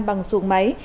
bằng sùng máy